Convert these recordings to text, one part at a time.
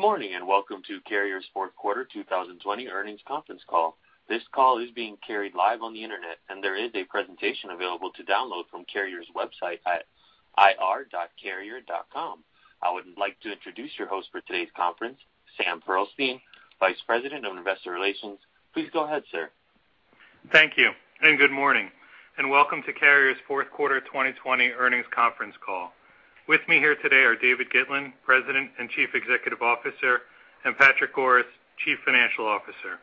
Good morning, and welcome to Carrier's fourth quarter 2020 earnings conference call. This call is being carried live on the internet, and there is a presentation available to download from Carrier's website at ir.carrier.com. I would like to introduce your host for today's conference, Sam Pearlstein, vice president of investor relations. Please go ahead, sir. Thank you, good morning, and welcome to Carrier's fourth quarter 2020 earnings conference call. With me here today are David Gitlin, President and Chief Executive Officer, and Patrick Goris, Chief Financial Officer.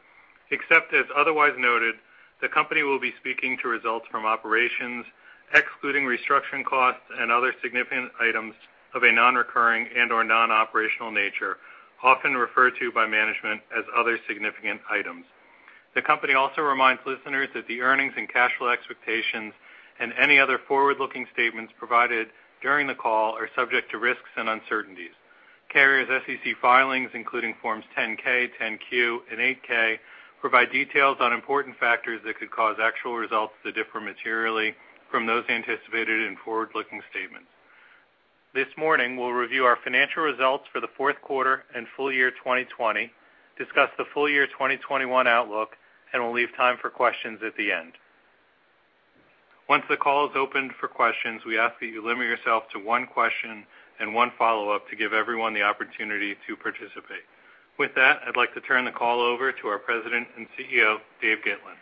Except as otherwise noted, the company will be speaking to results from operations excluding restructuring costs and other significant items of a non-recurring and/or non-operational nature, often referred to by management as other significant items. The company also reminds listeners that the earnings and cash flow expectations and any other forward-looking statements provided during the call are subject to risks and uncertainties. Carrier's SEC filings, including forms 10-K, 10-Q, and 8-K, provide details on important factors that could cause actual results to differ materially from those anticipated in forward-looking statements. This morning, we'll review our financial results for the fourth quarter and full year 2020, discuss the full year 2021 outlook, and we'll leave time for questions at the end. Once the call is opened for questions, we ask that you limit yourself to one question and one follow-up to give everyone the opportunity to participate. With that, I'd like to turn the call over to our President and CEO, Dave Gitlin.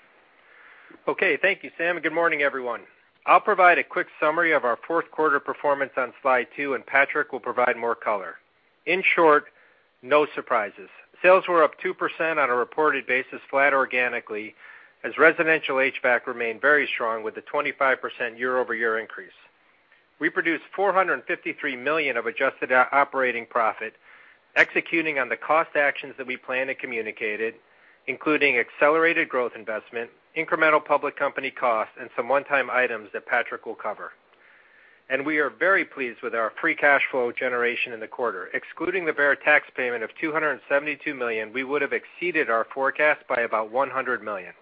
Okay. Thank you, Sam, and good morning, everyone. I'll provide a quick summary of our fourth quarter performance on slide two. Patrick will provide more color. In short, no surprises. Sales were up 2% on a reported basis, flat organically, as residential HVAC remained very strong with a 25% year-over-year increase. We produced $453 million of adjusted operating profit, executing on the cost actions that we planned and communicated, including accelerated growth investment, incremental public company costs, and some one-time items that Patrick will cover. We are very pleased with our free cash flow generation in the quarter. Excluding the Beijer tax payment of $272 million, we would have exceeded our forecast by about $100 million.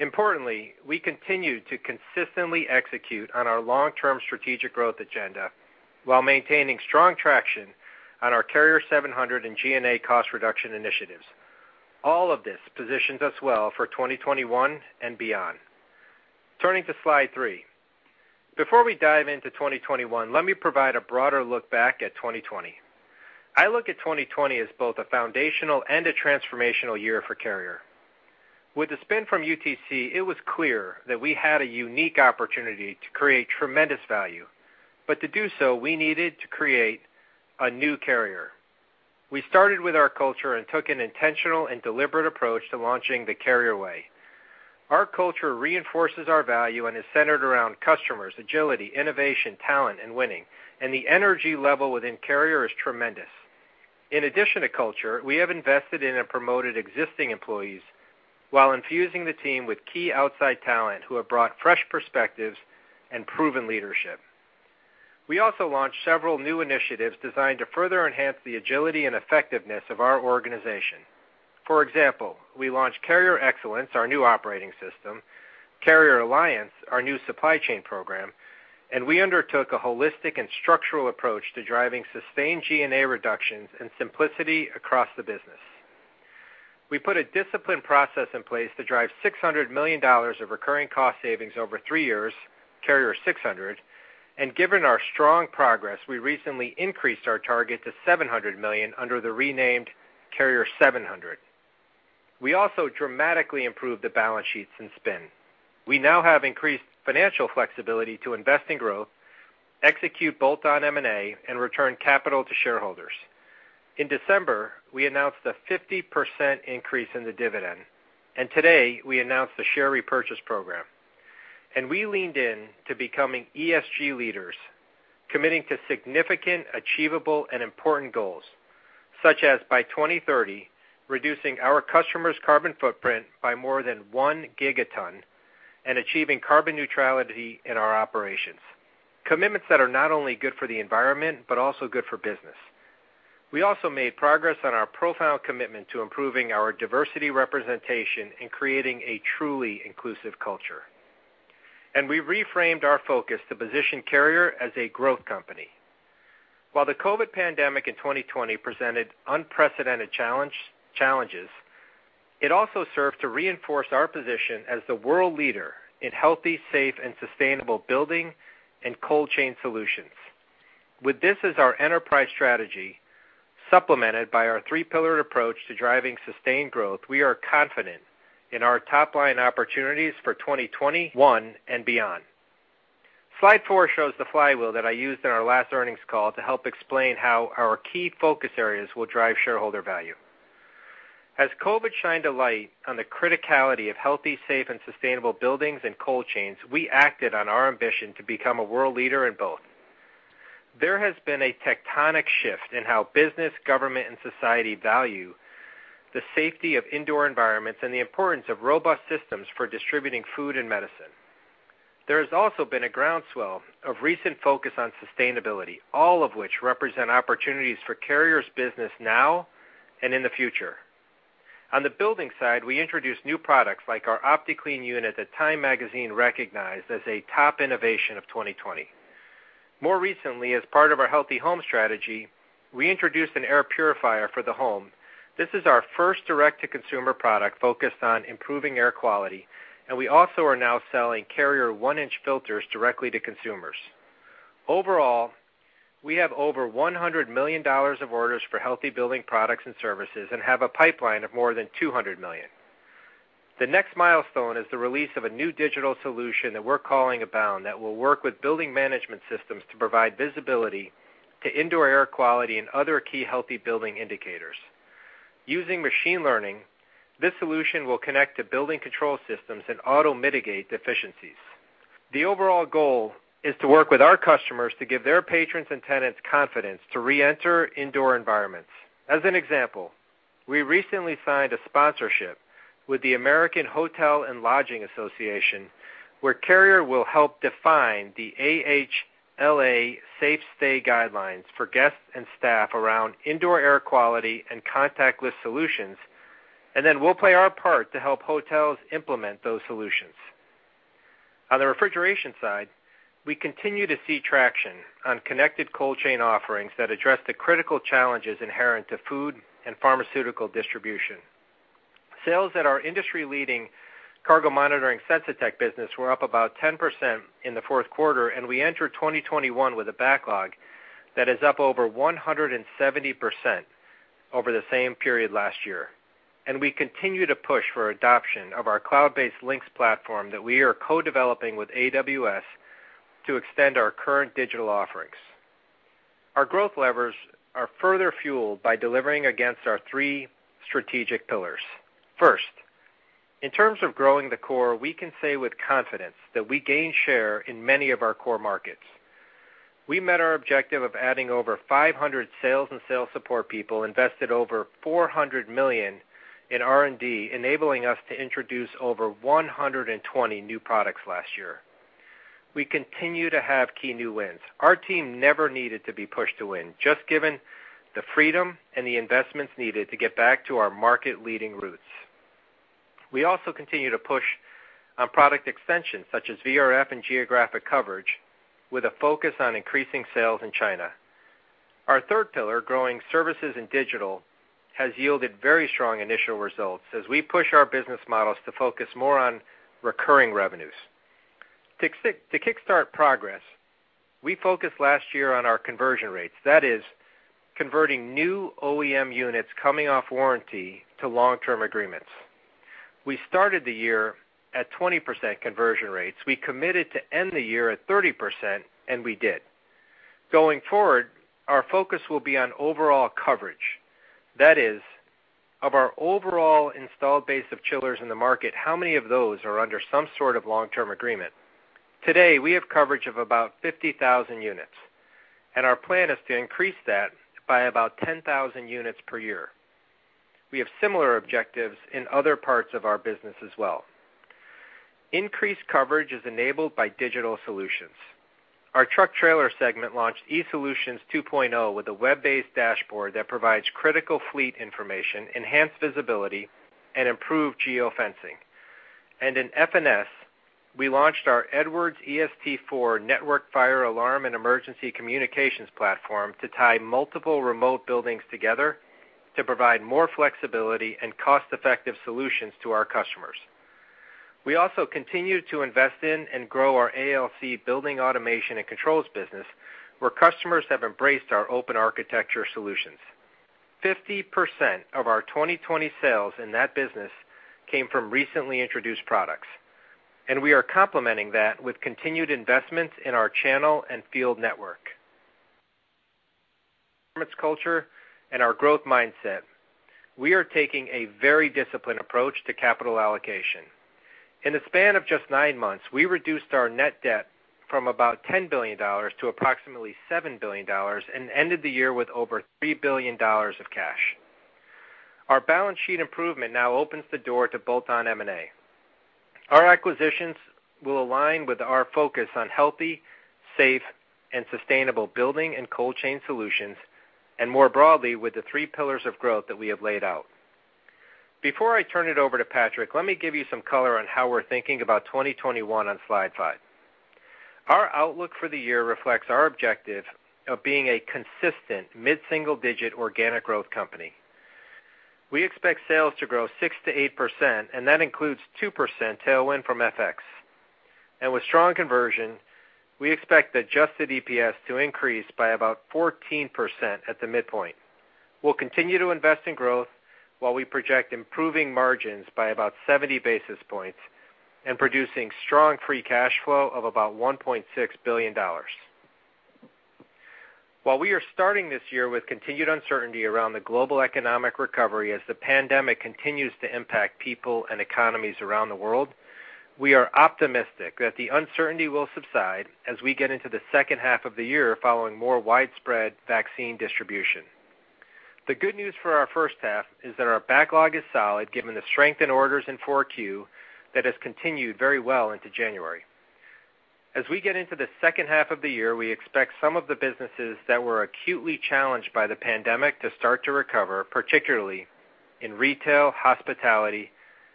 Importantly, we continue to consistently execute on our long-term strategic growth agenda while maintaining strong traction on our Carrier 700 and G&A cost reduction initiatives. All of this positions us well for 2021 and beyond. Turning to slide three. Before we dive into 2021, let me provide a broader look back at 2020. I look at 2020 as both a foundational and a transformational year for Carrier. With the spin from UTC, it was clear that we had a unique opportunity to create tremendous value. To do so, we needed to create a new Carrier. We started with our culture and took an intentional and deliberate approach to launching The Carrier Way. Our culture reinforces our value and is centered around customers, agility, innovation, talent, and winning, and the energy level within Carrier is tremendous. In addition to culture, we have invested in and promoted existing employees while infusing the team with key outside talent who have brought fresh perspectives and proven leadership. We also launched several new initiatives designed to further enhance the agility and effectiveness of our organization. For example, we launched Carrier Excellence, our new operating system, Carrier Alliance, our new supply chain program, and we undertook a holistic and structural approach to driving sustained G&A reductions and simplicity across the business. We put a disciplined process in place to drive $600 million of recurring cost savings over three years, Carrier 600, and given our strong progress, we recently increased our target to $700 million under the renamed Carrier 700. We also dramatically improved the balance sheets and spin. We now have increased financial flexibility to invest in growth, execute bolt-on M&A, and return capital to shareholders. In December, we announced a 50% increase in the dividend, and today we announced the share repurchase program. We leaned in to becoming ESG leaders, committing to significant, achievable, and important goals, such as by 2030, reducing our customers' carbon footprint by more than one gigaton and achieving carbon neutrality in our operations. Commitments that are not only good for the environment but also good for business. We also made progress on our profound commitment to improving our diversity representation and creating a truly inclusive culture. We reframed our focus to position Carrier as a growth company. While the COVID pandemic in 2020 presented unprecedented challenges, it also served to reinforce our position as the world leader in healthy, safe, and sustainable building and cold chain solutions. With this as our enterprise strategy, supplemented by our three-pillared approach to driving sustained growth, we are confident in our top-line opportunities for 2021 and beyond. Slide four shows the flywheel that I used in our last earnings call to help explain how our key focus areas will drive shareholder value. As COVID shined a light on the criticality of healthy, safe, and sustainable buildings and cold chains, we acted on our ambition to become a world leader in both. There has been a tectonic shift in how business, government, and society value the safety of indoor environments and the importance of robust systems for distributing food and medicine. There has also been a groundswell of recent focus on sustainability, all of which represent opportunities for Carrier's business now and in the future. On the building side, we introduced new products like our OptiClean unit that TIME magazine recognized as a top innovation of 2020. More recently, as part of our healthy home strategy, we introduced an air purifier for the home. This is our first direct-to-consumer product focused on improving air quality, and we also are now selling Carrier one-inch filters directly to consumers. Overall, we have over $100 million of orders for healthy building products and services and have a pipeline of more than $200 million. The next milestone is the release of a new digital solution that we're calling Abound, that will work with building management systems to provide visibility to indoor air quality and other key healthy building indicators. Using machine learning, this solution will connect to building control systems and auto-mitigate deficiencies. The overall goal is to work with our customers to give their patrons and tenants confidence to reenter indoor environments. As an example, we recently signed a sponsorship with the American Hotel & Lodging Association, where Carrier will help define the AHLA Safe Stay guidelines for guests and staff around indoor air quality and contactless solutions. Then we'll play our part to help hotels implement those solutions. On the refrigeration side, we continue to see traction on connected cold chain offerings that address the critical challenges inherent to food and pharmaceutical distribution. Sales at our industry-leading cargo monitoring Sensitech business were up about 10% in the fourth quarter. We enter 2021 with a backlog that is up over 170% over the same period last year. We continue to push for adoption of our cloud-based Lynx platform that we are co-developing with AWS to extend our current digital offerings. Our growth levers are further fueled by delivering against our three strategic pillars. First, in terms of growing the core, we can say with confidence that we gained share in many of our core markets. We met our objective of adding over 500 sales and sales support people, invested over $400 million in R&D, enabling us to introduce over 120 new products last year. We continue to have key new wins. Our team never needed to be pushed to win, just given the freedom and the investments needed to get back to our market-leading roots. We also continue to push on product extensions such as VRF and geographic coverage with a focus on increasing sales in China. Our third pillar, growing services and digital, has yielded very strong initial results as we push our business models to focus more on recurring revenues. To kick start progress, we focused last year on our conversion rates. That is, converting new OEM units coming off warranty to long-term agreements. We started the year at 20% conversion rates. We committed to end the year at 30%, and we did. Going forward, our focus will be on overall coverage. That is, of our overall installed base of chillers in the market, how many of those are under some sort of long-term agreement? Today, we have coverage of about 50,000 units, and our plan is to increase that by about 10,000 units per year. We have similar objectives in other parts of our business as well. Increased coverage is enabled by digital solutions. Our truck trailer segment launched eSolutions 2.0 with a web-based dashboard that provides critical fleet information, enhanced visibility, and improved geofencing. In F&S, we launched our Edwards EST4 network fire alarm and emergency communications platform to tie multiple remote buildings together to provide more flexibility and cost-effective solutions to our customers. We also continue to invest in and grow our ALC building automation and controls business, where customers have embraced our open architecture solutions. 50% of our 2020 sales in that business came from recently introduced products, and we are complementing that with continued investments in our channel and field network, its culture and our growth mindset. We are taking a very disciplined approach to capital allocation. In the span of just nine months, we reduced our net debt from about $10 billion to approximately $7 billion and ended the year with over $3 billion of cash. Our balance sheet improvement now opens the door to bolt-on M&A. Our acquisitions will align with our focus on healthy, safe, and sustainable building and cold chain solutions, and more broadly with the three pillars of growth that we have laid out. Before I turn it over to Patrick, let me give you some color on how we're thinking about 2021 on slide five. Our outlook for the year reflects our objective of being a consistent mid-single-digit organic growth company. We expect sales to grow 6%-8%, that includes 2% tailwind from FX. With strong conversion, we expect adjusted EPS to increase by about 14% at the midpoint. We'll continue to invest in growth while we project improving margins by about 70 basis points and producing strong free cash flow of about $1.6 billion. While we are starting this year with continued uncertainty around the global economic recovery as the pandemic continues to impact people and economies around the world, we are optimistic that the uncertainty will subside as we get into the second half of the year following more widespread vaccine distribution. The good news for our first half is that our backlog is solid, given the strength in orders in 4Q that has continued very well into January. As we get into the second half of the year, we expect some of the businesses that were acutely challenged by the pandemic to start to recover, particularly in retail, hospitality,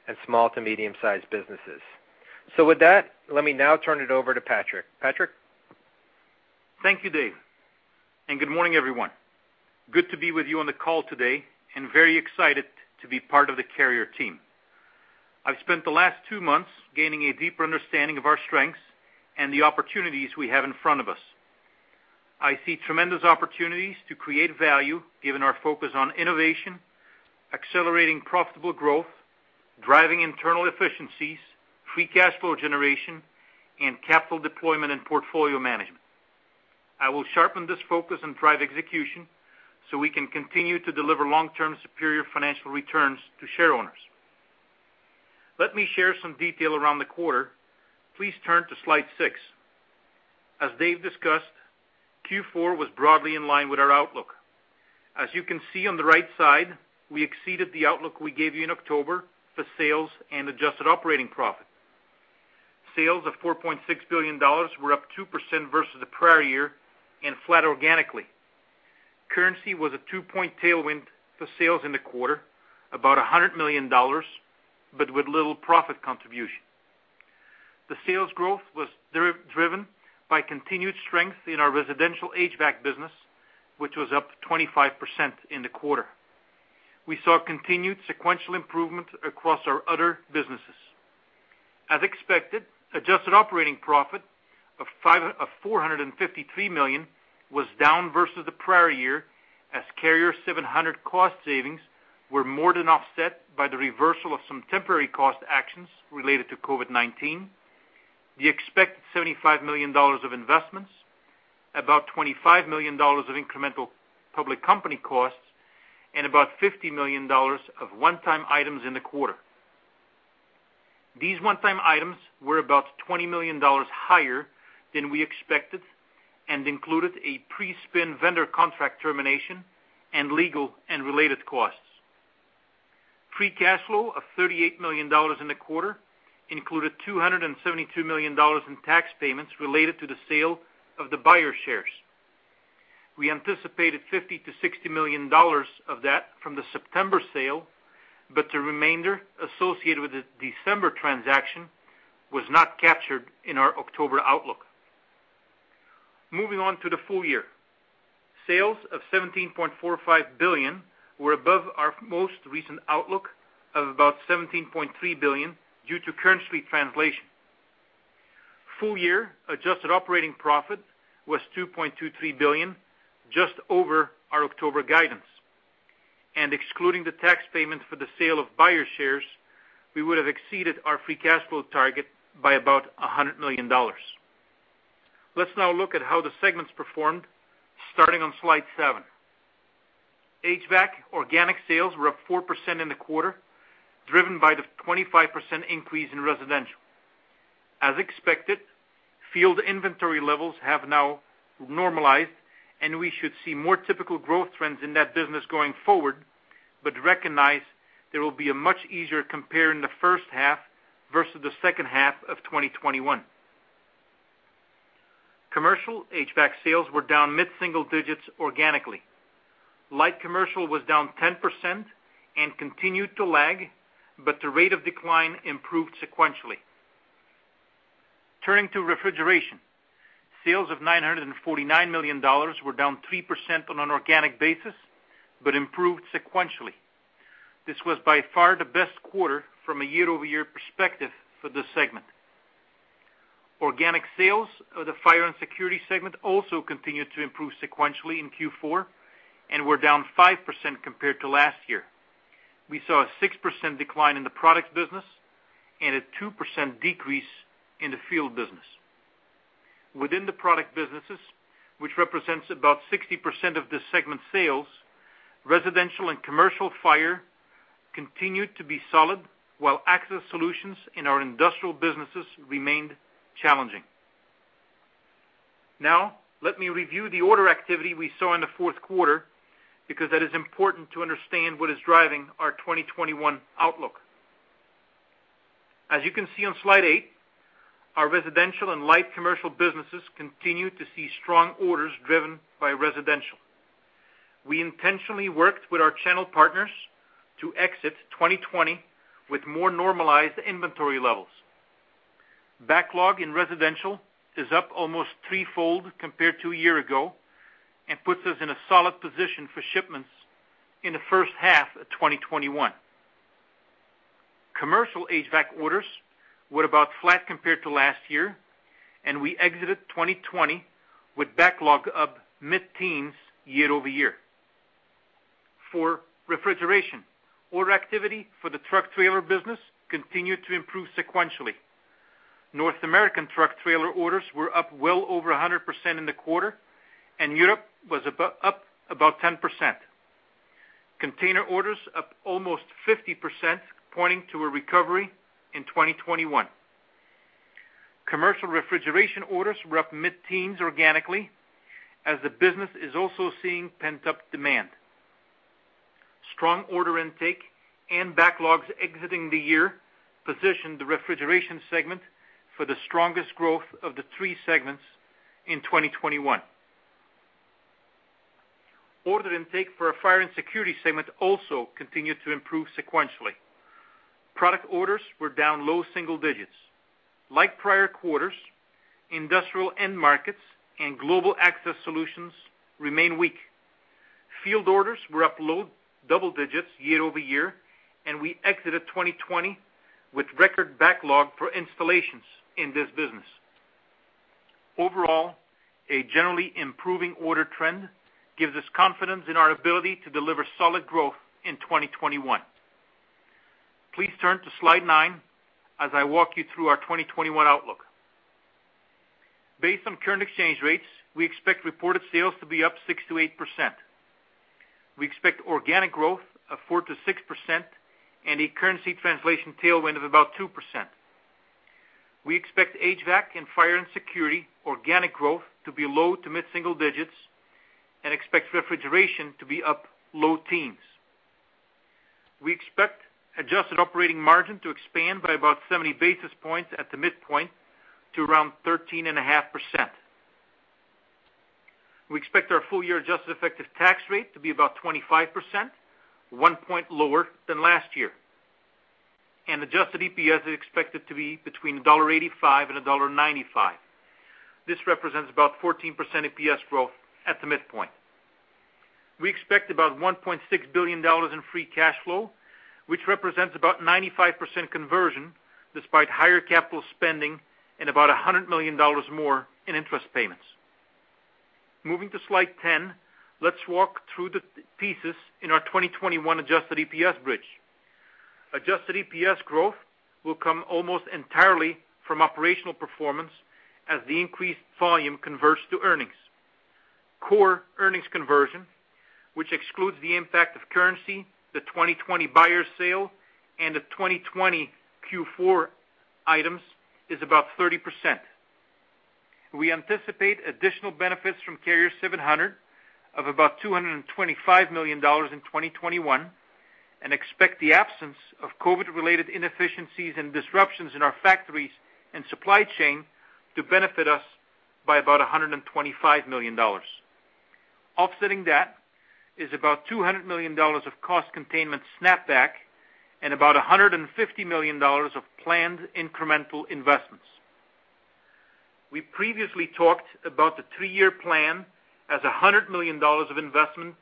and small to medium-sized businesses. With that, let me now turn it over to Patrick. Patrick? Thank you, Dave, and good morning, everyone. Good to be with you on the call today, and very excited to be part of the Carrier team. I've spent the last two months gaining a deeper understanding of our strengths and the opportunities we have in front of us. I see tremendous opportunities to create value given our focus on innovation, accelerating profitable growth, driving internal efficiencies, free cash flow generation, and capital deployment and portfolio management. We can continue to deliver long-term superior financial returns to share owners. Let me share some detail around the quarter. Please turn to slide six. As Dave discussed, Q4 was broadly in line with our outlook. As you can see on the right side, we exceeded the outlook we gave you in October for sales and adjusted operating profit. Sales of $4.6 billion were up 2% versus the prior year and flat organically. Currency was a two-point tailwind for sales in the quarter, about $100 million, but with little profit contribution. The sales growth was driven by continued strength in our residential HVAC business, which was up 25% in the quarter. We saw continued sequential improvement across our other businesses. As expected, adjusted operating profit of $453 million was down versus the prior year as Carrier 700 cost savings were more than offset by the reversal of some temporary cost actions related to COVID-19. The expected $75 million of investments, about $25 million of incremental public company costs, and about $50 million of one-time items in the quarter. These one-time items were about $20 million higher than we expected and included a pre-spin vendor contract termination and legal and related costs. Free cash flow of $38 million in the quarter included $272 million in tax payments related to the sale of the Beijer shares. We anticipated $50 million-$60 million of that from the September sale, the remainder associated with the December transaction was not captured in our October outlook. Moving on to the full year. Sales of $17.45 billion were above our most recent outlook of about $17.3 billion due to currency translation. Full year adjusted operating profit was $2.23 billion, just over our October guidance. Excluding the tax payment for the sale of Beijer shares, we would have exceeded our free cash flow target by about $100 million. Let's now look at how the segments performed starting on slide seven. HVAC organic sales were up 4% in the quarter, driven by the 25% increase in residential. As expected, field inventory levels have now normalized, and we should see more typical growth trends in that business going forward, but recognize there will be a much easier compare in the first half versus the second half of 2021. Commercial HVAC sales were down mid-single digits organically. Light commercial was down 10% and continued to lag, but the rate of decline improved sequentially. Turning to Refrigeration. Sales of $949 million were down 3% on an organic basis but improved sequentially. This was by far the best quarter from a year-over-year perspective for this segment. Organic sales of the Fire & Security segment also continued to improve sequentially in Q4 and were down 5% compared to last year. We saw a 6% decline in the product business and a 2% decrease in the field business. Within the product businesses, which represents about 60% of the segment sales, residential and commercial fire continued to be solid, while access solutions in our industrial businesses remained challenging. Let me review the order activity we saw in the fourth quarter because that is important to understand what is driving our 2021 outlook. As you can see on slide eight, our residential and light commercial businesses continue to see strong orders driven by residential. We intentionally worked with our channel partners to exit 2020 with more normalized inventory levels. Backlog in residential is up almost threefold compared to a year ago and puts us in a solid position for shipments in the first half of 2021. Commercial HVAC orders were about flat compared to last year, and we exited 2020 with backlog up mid-teens year-over-year. For refrigeration, order activity for the truck trailer business continued to improve sequentially. North American truck trailer orders were up well over 100% in the quarter, and Europe was up about 10%. Container orders up almost 50%, pointing to a recovery in 2021. Commercial refrigeration orders were up mid-teens organically as the business is also seeing pent-up demand. Strong order intake and backlogs exiting the year positioned the refrigeration segment for the strongest growth of the three segments in 2021. Order intake for our Fire & Security segment also continued to improve sequentially. Product orders were down low single digits. Like prior quarters, industrial end markets and global access solutions remain weak. Field orders were up low double digits year-over-year, and we exited 2020 with record backlog for installations in this business. Overall, a generally improving order trend gives us confidence in our ability to deliver solid growth in 2021. Please turn to slide nine as I walk you through our 2021 outlook. Based on current exchange rates, we expect reported sales to be up 6%-8%. We expect organic growth of 4%-6% and a currency translation tailwind of about 2%. We expect HVAC and Fire & Security organic growth to be low to mid-single digits and expect refrigeration to be up low teens. We expect adjusted operating margin to expand by about 70 basis points at the midpoint to around 13.5%. We expect our full-year adjusted effective tax rate to be about 25%, one point lower than last year. Adjusted EPS is expected to be between $1.85 and $1.95. This represents about 14% EPS growth at the midpoint. We expect about $1.6 billion in free cash flow, which represents about 95% conversion despite higher capital spending and about $100 million more in interest payments. Moving to slide 10, let's walk through the pieces in our 2021 adjusted EPS bridge. Adjusted EPS growth will come almost entirely from operational performance as the increased volume converts to earnings. Core earnings conversion, which excludes the impact of currency, the 2020 Beijer sale, and the 2020 Q4 items, is about 30%. We anticipate additional benefits from Carrier 700 of about $225 million in 2021 and expect the absence of COVID-related inefficiencies and disruptions in our factories and supply chain to benefit us by about $125 million. Offsetting that is about $200 million of cost containment snapback and about $150 million of planned incremental investments. We previously talked about the three-year plan as $100 million of investment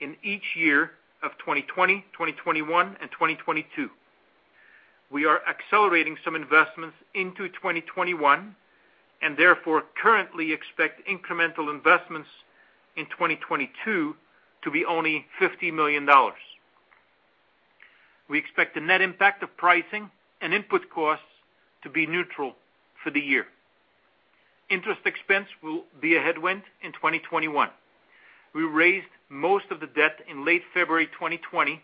in each year of 2020, 2021, and 2022. We are accelerating some investments into 2021 and therefore currently expect incremental investments in 2022 to be only $50 million. We expect the net impact of pricing and input costs to be neutral for the year. Interest expense will be a headwind in 2021. We raised most of the debt in late February 2020,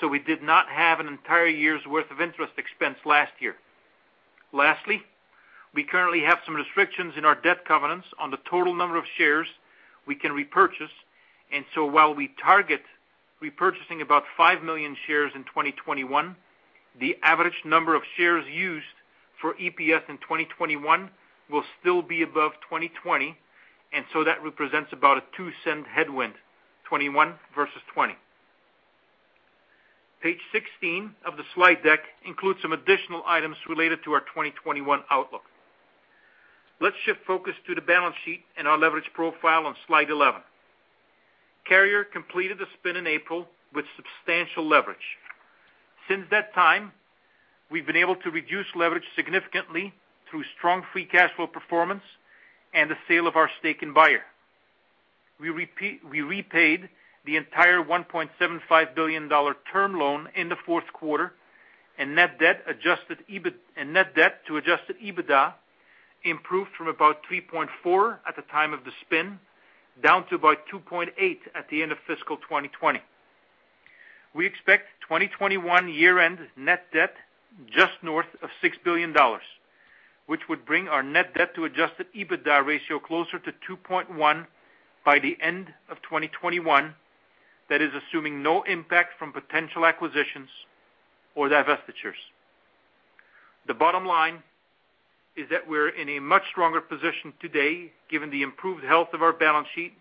so we did not have an entire year's worth of interest expense last year. Lastly, we currently have some restrictions in our debt covenants on the total number of shares we can repurchase, and so while we target repurchasing about 5 million shares in 2021, the average number of shares used for EPS in 2021 will still be above 2020, and so that represents about a $0.02 headwind, 2021 versus 2020. Page 16 of the slide deck includes some additional items related to our 2021 outlook. Let's shift focus to the balance sheet and our leverage profile on slide 11. Carrier completed the spin in April with substantial leverage. Since that time, we've been able to reduce leverage significantly through strong free cash flow performance and the sale of our stake in Beijer. We repaid the entire $1.75 billion term loan in the fourth quarter, and net debt to adjusted EBITDA improved from about 3.4 at the time of the spin, down to about 2.8 at the end of fiscal 2020. We expect 2021 year-end net debt just north of $6 billion, which would bring our net debt to adjusted EBITDA ratio closer to 2.1 by the end of 2021. That is assuming no impact from potential acquisitions or divestitures. The bottom line is that we're in a much stronger position today given the improved health of our balance sheet,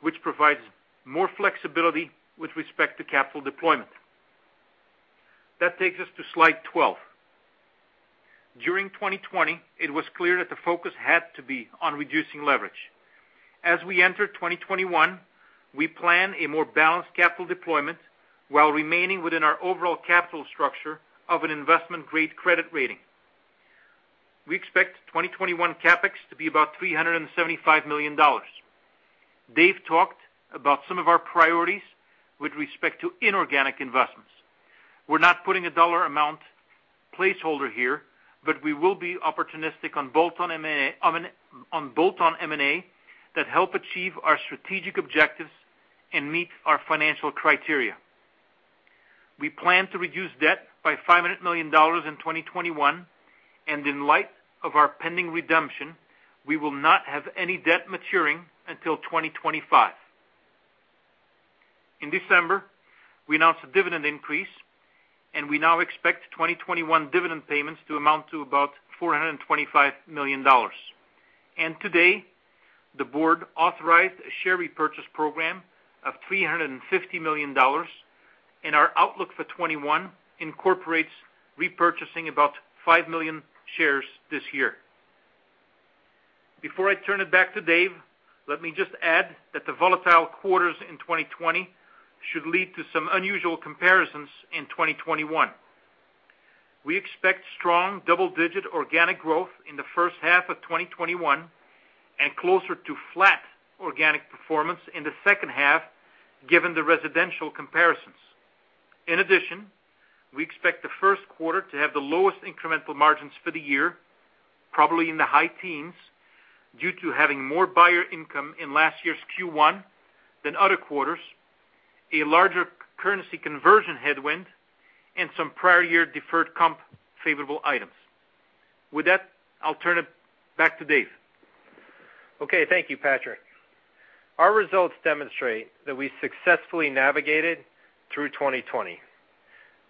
which provides more flexibility with respect to capital deployment. That takes us to slide 12. During 2020, it was clear that the focus had to be on reducing leverage. As we enter 2021, we plan a more balanced capital deployment while remaining within our overall capital structure of an investment-grade credit rating. We expect 2021 CapEx to be about $375 million. Dave talked about some of our priorities with respect to inorganic investments. We're not putting a dollar amount placeholder here, but we will be opportunistic on bolt-on M&A that help achieve our strategic objectives and meet our financial criteria. We plan to reduce debt by $500 million in 2021, in light of our pending redemption, we will not have any debt maturing until 2025. In December, we announced a dividend increase. We now expect 2021 dividend payments to amount to about $425 million. Today, the board authorized a share repurchase program of $350 million, and our outlook for 2021 incorporates repurchasing about five million shares this year. Before I turn it back to Dave, let me just add that the volatile quarters in 2020 should lead to some unusual comparisons in 2021. We expect strong double-digit organic growth in the first half of 2021, and closer to flat organic performance in the second half, given the residential comparisons. In addition, we expect the first quarter to have the lowest incremental margins for the year, probably in the high teens, due to having more Beijer income in last year's Q1 than other quarters, a larger currency conversion headwind, and some prior year deferred comp favorable items. With that, I'll turn it back to Dave. Okay. Thank you, Patrick. Our results demonstrate that we successfully navigated through 2020.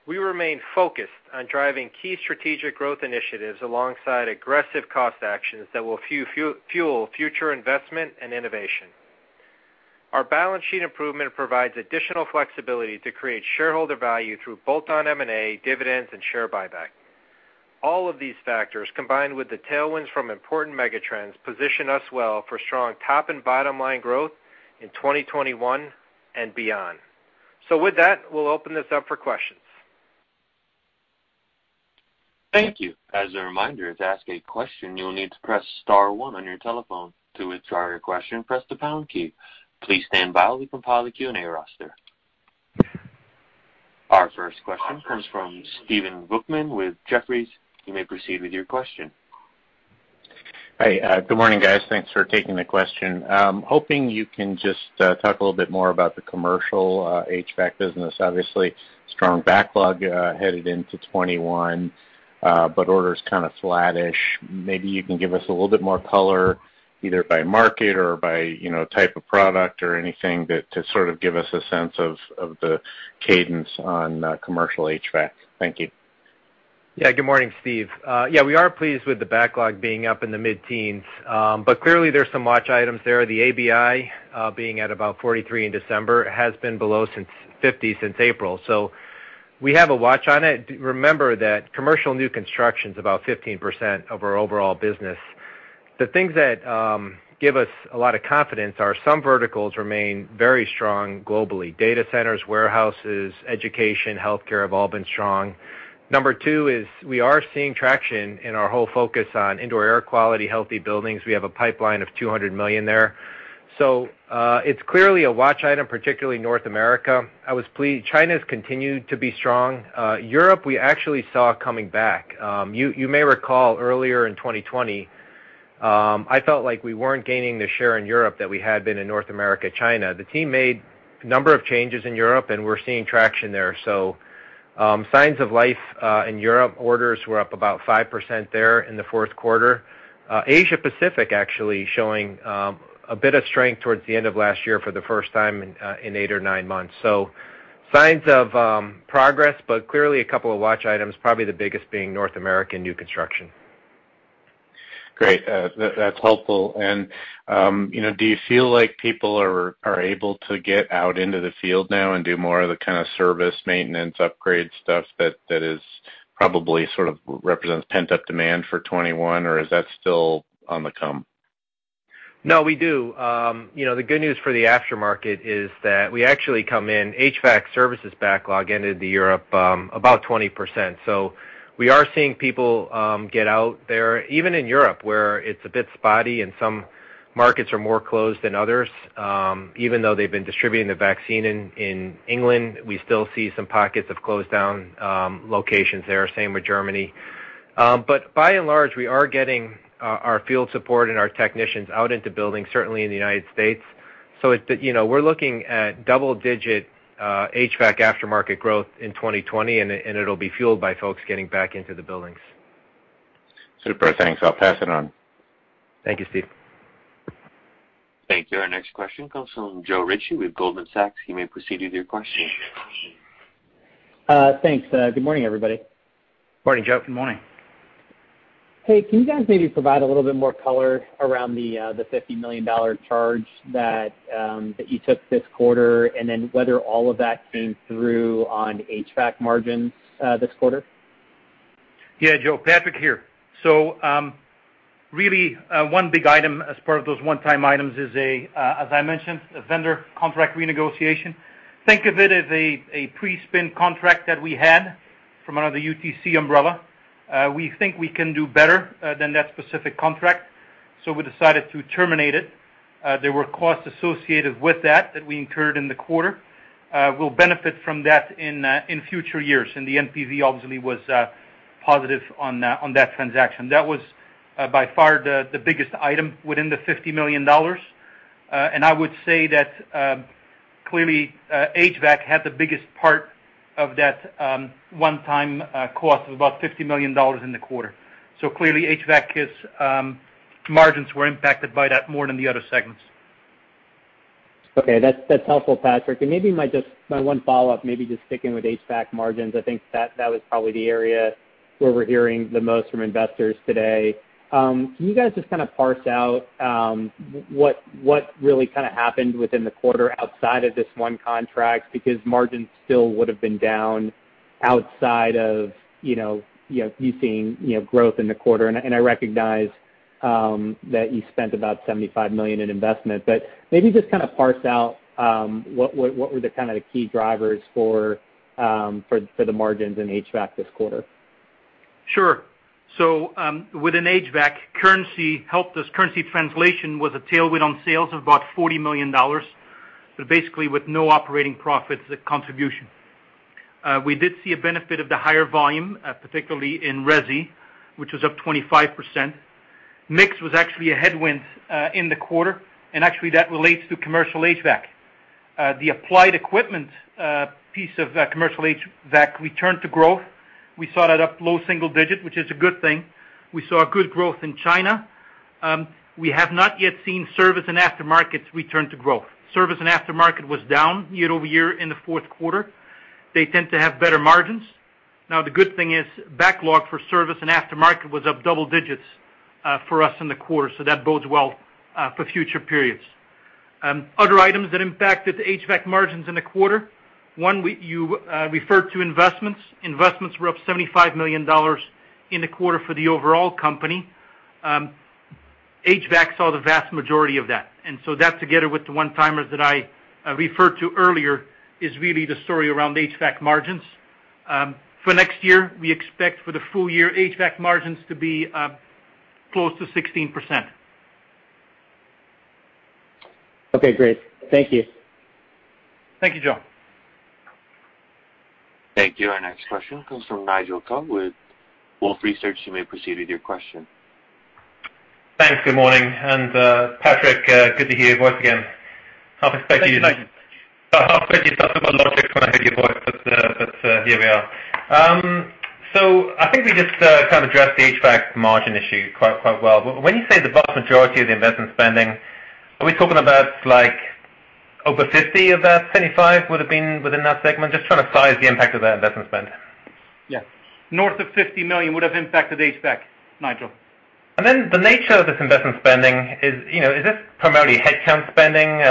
We remain focused on driving key strategic growth initiatives alongside aggressive cost actions that will fuel future investment and innovation. Our balance sheet improvement provides additional flexibility to create shareholder value through bolt-on M&A, dividends, and share buyback. All of these factors, combined with the tailwinds from important megatrends, position us well for strong top and bottom line growth in 2021 and beyond. With that, we'll open this up for questions. Thank you. As a reminder, to ask a question, you'll need to press star one on your telephone. To withdraw your question, press the pound key. Please stand by while we provide the Q&A roster. Our first question comes from Stephen Volkmann with Jefferies. You may proceed with your question. Hi. Good morning, guys. Thanks for taking the question. Hoping you can just talk a little bit more about the commercial HVAC business. Obviously, strong backlog headed into 2021, but orders kind of flattish. Maybe you can give us a little bit more color, either by market or by type of product or anything to sort of give us a sense of the cadence on commercial HVAC. Thank you. Yeah. Good morning, Steve. Yeah, we are pleased with the backlog being up in the mid-teens. Clearly there's some watch items there. The ABI, being at about 43 in December, has been below 50 since April, so we have a watch on it. Remember that commercial new construction's about 15% of our overall business. The things that give us a lot of confidence are some verticals remain very strong globally. Data centers, warehouses, education, healthcare have all been strong. Number two is we are seeing traction in our whole focus on indoor air quality, healthy buildings. We have a pipeline of $200 million there. It's clearly a watch item, particularly North America. I was pleased. China's continued to be strong. Europe, we actually saw coming back. You may recall earlier in 2020, I felt like we weren't gaining the share in Europe that we had been in North America, China. The team made a number of changes in Europe, and we're seeing traction there. Signs of life in Europe. Orders were up about 5% there in the fourth quarter. Asia Pacific actually showing a bit of strength towards the end of last year for the first time in eight or nine months. Signs of progress, but clearly a couple of watch items, probably the biggest being North American new construction. Great. That's helpful. Do you feel like people are able to get out into the field now and do more of the kind of service maintenance upgrade stuff that probably sort of represents pent-up demand for 2021? Or is that still on the come? No, we do. The good news for the aftermarket is that we actually come in HVAC services backlog into Europe about 20%. We are seeing people get out there, even in Europe, where it's a bit spotty and some markets are more closed than others. Even though they've been distributing the vaccine in England, we still see some pockets of closed down locations there. Same with Germany. By and large, we are getting our field support and our technicians out into buildings, certainly in the United States. We're looking at double-digit HVAC aftermarket growth in 2020, and it'll be fueled by folks getting back into the buildings. Super. Thanks. I'll pass it on. Thank you, Steve. Thank you. Our next question comes from Joe Ritchie with Goldman Sachs. You may proceed with your question. Thanks. Good morning, everybody. Morning, Joe. Good morning. Hey, can you guys maybe provide a little bit more color around the $50 million charge that you took this quarter, and then whether all of that's been through on HVAC margins this quarter? Yeah, Joe. Patrick here. Really, one big item as part of those one-time items is, as I mentioned, a vendor contract renegotiation. Think of it as a pre-spin contract that we had from under the UTC umbrella. We think we can do better than that specific contract, we decided to terminate it. There were costs associated with that we incurred in the quarter. We'll benefit from that in future years, the NPV obviously was positive on that transaction. That was by far the biggest item within the $50 million. I would say that, clearly HVAC had the biggest part of that one-time cost of about $50 million in the quarter. Clearly HVAC's margins were impacted by that more than the other segments. Okay. That's helpful, Patrick. Maybe my one follow-up, maybe just sticking with HVAC margins, I think that was probably the area where we're hearing the most from investors today. Can you guys just kind of parse out what really happened within the quarter outside of this one contract? Margins still would've been down outside of you seeing growth in the quarter. I recognize that you spent about $75 million in investment, maybe just kind of parse out what were the kind of the key drivers for the margins in HVAC this quarter? Sure. Within HVAC, currency helped us. Currency translation was a tailwind on sales of about $40 million. Basically with no operating profits contribution. We did see a benefit of the higher volume, particularly in resi, which was up 25%. Mix was actually a headwind in the quarter, that relates to commercial HVAC. The applied equipment piece of commercial HVAC, we turned to growth. We saw that up low single digit, which is a good thing. We saw good growth in China. We have not yet seen service and aftermarket return to growth. Service and aftermarket was down year-over-year in the fourth quarter. They tend to have better margins. The good thing is backlog for service and aftermarket was up double digits for us in the quarter, so that bodes well for future periods. Other items that impacted HVAC margins in the quarter. One, you referred to investments. Investments were up $75 million in the quarter for the overall company. HVAC saw the vast majority of that. That together with the one-timers that I referred to earlier is really the story around HVAC margins. For next year, we expect for the full year HVAC margins to be close to 16%. Okay, great. Thank you. Thank you, Joe. Thank you. Our next question comes from Nigel Coe with Wolfe Research. You may proceed with your question. Thanks. Good morning. Patrick, good to hear your voice again. Thanks, Nigel. I half expected you to talk about Logix when I heard your voice, but here we are. I think we just kind of addressed the HVAC margin issue quite well. When you say the vast majority of the investment spending, are we talking about over 50 of that 75 would've been within that segment? Just trying to size the impact of that investment spend. Yeah. North of $50 million would've impacted HVAC, Nigel. The nature of this investment spending is this primarily headcount spending?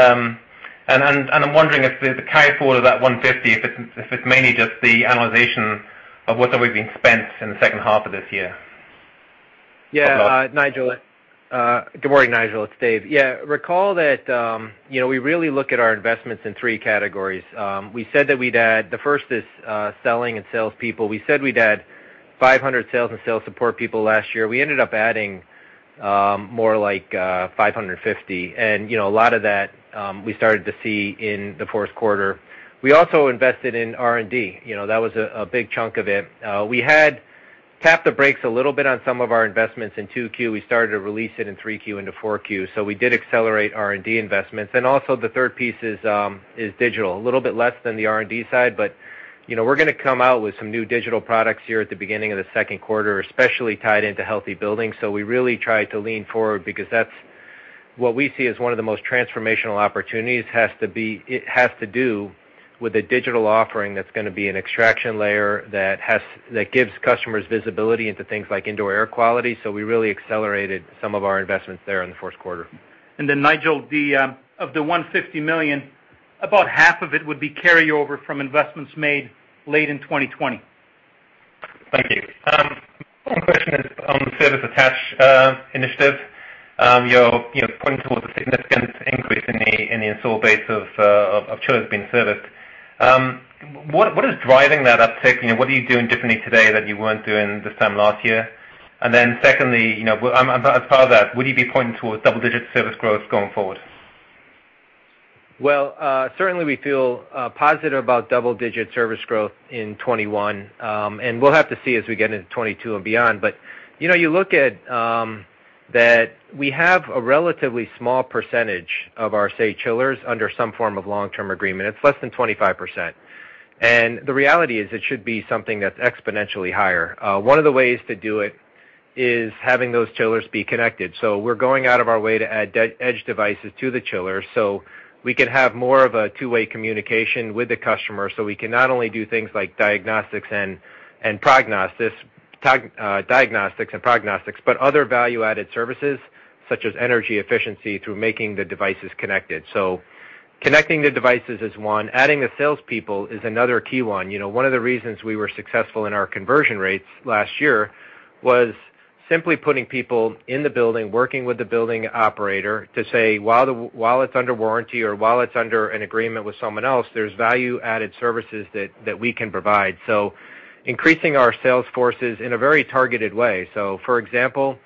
I'm wondering if the carry forward of that $150, if it's mainly just the amortization of what's already been spent in the second half of this year. Yeah. Nigel. Good morning, Nigel. It's Dave. Yeah, recall that we really look at our investments in three categories. The first is selling and salespeople. We said we'd add 500 sales and sales support people last year. We ended up adding more like 550, and a lot of that we started to see in the fourth quarter. We also invested in R&D. That was a big chunk of it. We had tapped the brakes a little bit on some of our investments in Q2. We started to release it in Q3 into Q4. We did accelerate R&D investments. Also the third piece is digital. A little bit less than the R&D side, but we're going to come out with some new digital products here at the beginning of the second quarter, especially tied into healthy buildings. We really try to lean forward because that's what we see as one of the most transformational opportunities. It has to do with a digital offering that's going to be an extraction layer that gives customers visibility into things like indoor air quality. We really accelerated some of our investments there in the first quarter. Nigel, of the $150 million, about half of it would be carryover from investments made late in 2020. Thank you. One question is on service attach initiative. You're pointing towards a significant increase in the install base of chillers being serviced. What is driving that uptick? What are you doing differently today that you weren't doing this time last year? Secondly, as part of that, would you be pointing towards double-digit service growth going forward? Well, certainly we feel positive about double-digit service growth in 2021. We'll have to see as we get into 2022 and beyond. You look at that we have a relatively small percentage of our, say, chillers under some form of long-term agreement. It's less than 25%. The reality is, it should be something that's exponentially higher. One of the ways to do it is having those chillers be connected. We're going out of our way to add edge devices to the chiller so we can have more of a two-way communication with the customer, so we can not only do things like diagnostics and prognostics, but other value-added services such as energy efficiency through making the devices connected. Connecting the devices is one. Adding the salespeople is another key one. One of the reasons we were successful in our conversion rates last year was simply putting people in the building, working with the building operator to say, while it's under warranty or while it's under an agreement with someone else, there's value-added services that we can provide. Increasing our sales forces in a very targeted way. For example,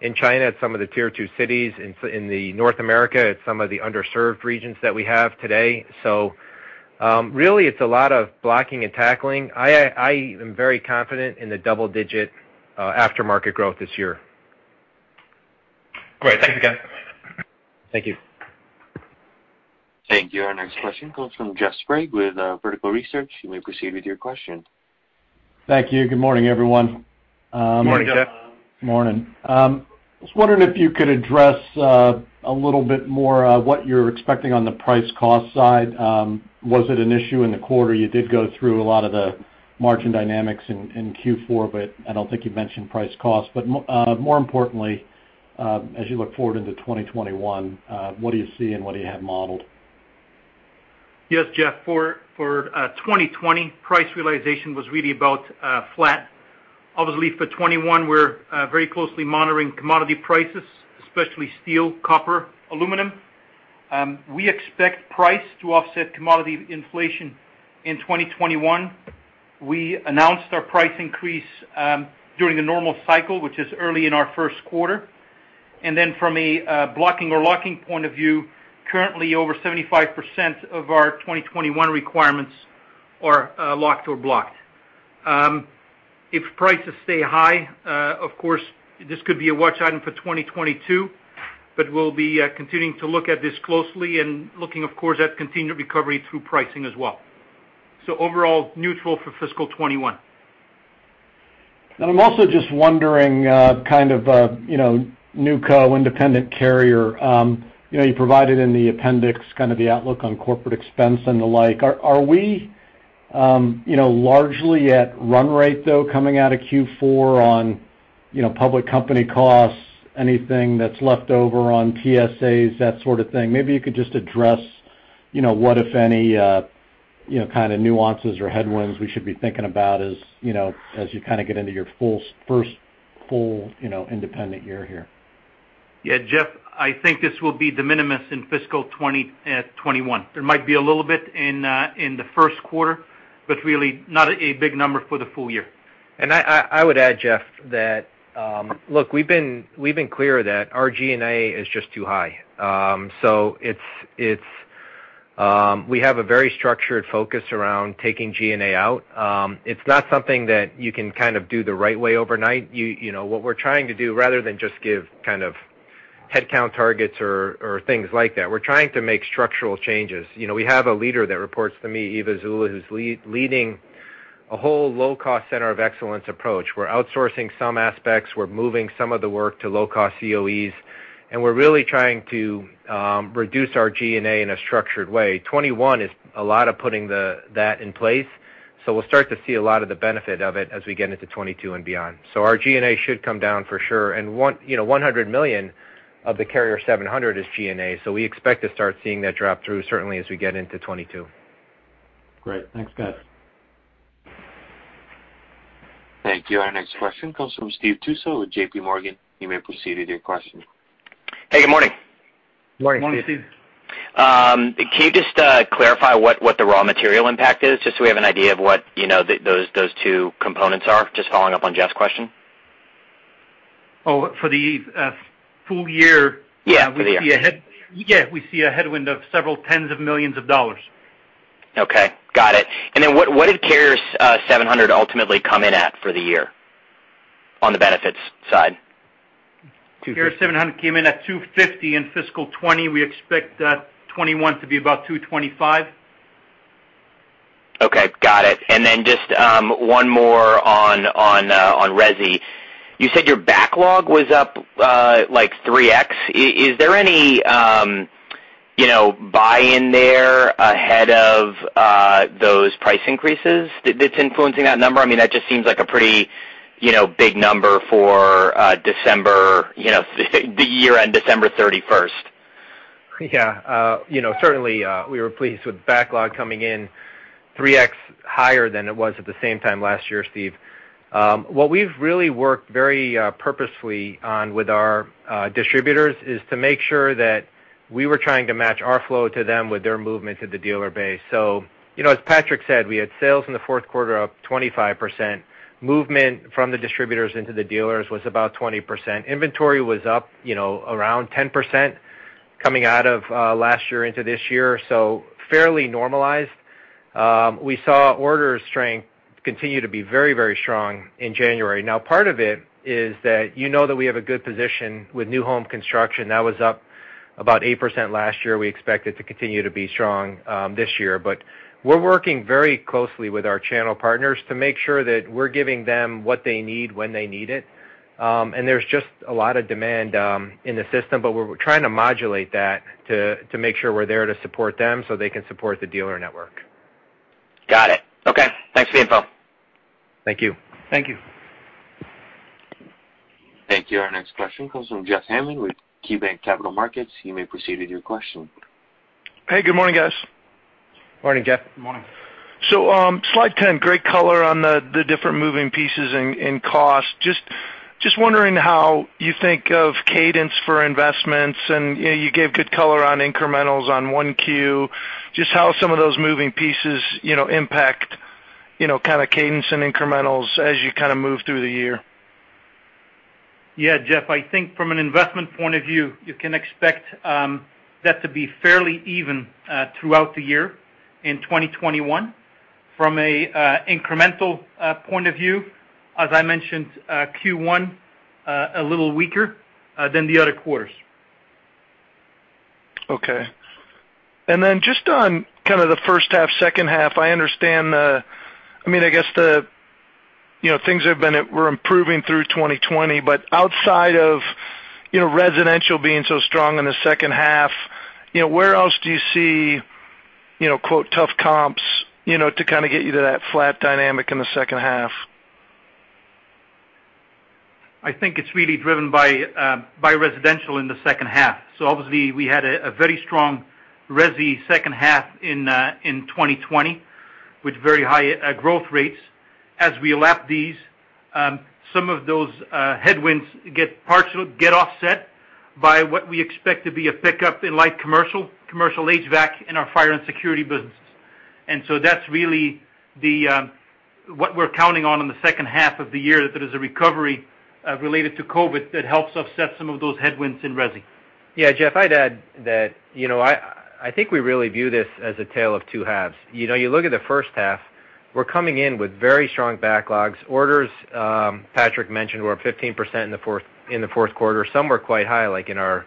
in China at some of the Tier 2 cities, in the North America at some of the underserved regions that we have today. Really, it's a lot of blocking and tackling. I am very confident in the double-digit aftermarket growth this year. Great. Thanks again. Thank you. Thank you. Our next question comes from Jeff Sprague with Vertical Research. You may proceed with your question. Thank you. Good morning, everyone. Morning, Jeff. Morning. I was wondering if you could address a little bit more what you're expecting on the price-cost side. Was it an issue in the quarter? You did go through a lot of the margin dynamics in Q4. I don't think you mentioned price cost. More importantly, as you look forward into 2021, what do you see and what do you have modeled? Yes, Jeff, for 2020, price realization was really about flat. For 2021, we're very closely monitoring commodity prices, especially steel, copper, aluminum. We expect price to offset commodity inflation in 2021. We announced our price increase during the normal cycle, which is early in our first quarter. From a blocking or locking point of view, currently over 75% of our 2021 requirements are locked or blocked. If prices stay high, of course, this could be a watch item for 2022, we'll be continuing to look at this closely and looking, of course, at continued recovery through pricing as well. Overall, neutral for fiscal 2021. I'm also just wondering kind of NewCo independent Carrier. You provided in the appendix kind of the outlook on corporate expense and the like. Are we largely at run rate, though, coming out of Q4 on public company costs, anything that's left over on TSAs, that sort of thing? Maybe you could just address what, if any, kind of nuances or headwinds we should be thinking about as you kind of get into your first full independent year here. Yeah, Jeff, I think this will be de minimis in fiscal 2021. There might be a little bit in the first quarter, really not a big number for the full year. I would add, Jeff, that look, we've been clear that our G&A is just too high. We have a very structured focus around taking G&A out. It's not something that you can kind of do the right way overnight. What we're trying to do, rather than just give kind of headcount targets or things like that, we're trying to make structural changes. We have a leader that reports to me, Eva Azoulay, who's leading a whole low-cost center of excellence approach. We're outsourcing some aspects. We're moving some of the work to low-cost COEs, and we're really trying to reduce our G&A in a structured way. 2021 is a lot of putting that in place, so we'll start to see a lot of the benefit of it as we get into 2022 and beyond. Our G&A should come down for sure. $100 million of the Carrier 700 is G&A, so we expect to start seeing that drop through certainly as we get into 2022. Great. Thanks, guys. Thank you. Our next question comes from Steve Tusa with JPMorgan. You may proceed with your question. Hey, good morning. Morning, Steve. Morning, Steve. Can you just clarify what the raw material impact is, just so we have an idea of what those two components are? Just following up on Jeff's question. Oh, for the full year. Yeah, for the year. We see a headwind of several tens of millions of dollars. Okay. Got it. What did Carrier 700 ultimately come in at for the year on the benefits side? Carrier 700 came in at $250 in fiscal 2020. We expect 2021 to be about $225. Okay, got it. Just one more on resi. You said your backlog was up like 3x. Is there any buy-in there ahead of those price increases that's influencing that number? I mean, that just seems like a pretty big number for the year-end December 31st. Yeah. Certainly, we were pleased with backlog coming in 3x higher than it was at the same time last year, Steve. What we've really worked very purposefully on with our distributors is to make sure that we were trying to match our flow to them with their movement to the dealer base. As Patrick said, we had sales in the fourth quarter up 25%. Movement from the distributors into the dealers was about 20%. Inventory was up around 10% coming out of last year into this year, so fairly normalized. We saw order strength continue to be very strong in January. Part of it is that you know that we have a good position with new home construction. That was up about 8% last year. We expect it to continue to be strong this year. We're working very closely with our channel partners to make sure that we're giving them what they need when they need it. There's just a lot of demand in the system, but we're trying to modulate that to make sure we're there to support them so they can support the dealer network. Got it. Okay. Thanks for the info. Thank you. Thank you. Thank you. Our next question comes from Jeff Hammond with KeyBanc Capital Markets. You may proceed with your question. Hey, good morning, guys. Morning, Jeff. Good morning. Slide 10, great color on the different moving pieces in cost. Just wondering how you think of cadence for investments, and you gave good color on incrementals on 1Q. Just how some of those moving pieces impact kind of cadence and incrementals as you kind of move through the year. Yeah, Jeff, I think from an investment point of view, you can expect that to be fairly even throughout the year in 2021. From an incremental point of view, as I mentioned, Q1, a little weaker than the other quarters. Okay. Just on kind of the first half, second half, I understand the things were improving through 2020, but outside of residential being so strong in the second half, where else do you see, quote, "tough comps," to kind of get you to that flat dynamic in the second half? I think it's really driven by residential in the second half. Obviously we had a very strong resi second half in 2020 with very high growth rates. As we lap these, some of those headwinds get partially offset by what we expect to be a pickup in light commercial HVAC, and our Fire and Security businesses. That's really what we're counting on in the second half of the year, that there is a recovery related to COVID that helps offset some of those headwinds in resi. Jeff, I'd add that I think we really view this as a tale of two halves. You look at the first half, we're coming in with very strong backlogs. Orders, Patrick mentioned, were up 15% in the fourth quarter. Some were quite high, like in our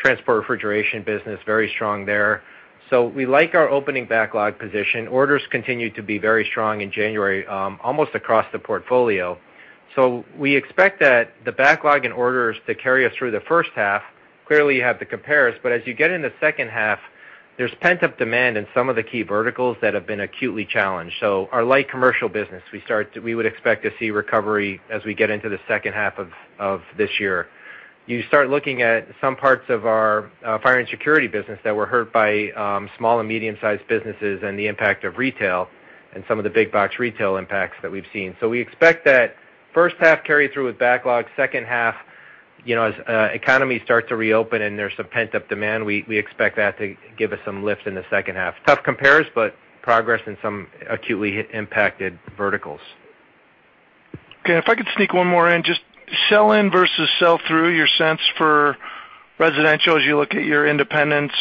transport refrigeration business, very strong there. We like our opening backlog position. Orders continue to be very strong in January, almost across the portfolio. We expect that the backlog in orders to carry us through the first half. Clearly, you have the compares, but as you get in the second half, there's pent-up demand in some of the key verticals that have been acutely challenged. Our light commercial business, we would expect to see recovery as we get into the second half of this year. You start looking at some parts of our Fire & Security business that were hurt by small and medium-sized businesses and the impact of retail and some of the big box retail impacts that we've seen. We expect that first half carry through with backlog. Second half, as economies start to reopen and there's some pent-up demand, we expect that to give us some lift in the second half. Tough compares, progress in some acutely impacted verticals. Okay, if I could sneak one more in, just sell-in versus sell-through, your sense for residential as you look at your independents,